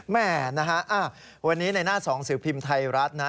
แม่นะฮะวันนี้ในหน้าสองสือพิมพ์ไทยรัฐนะ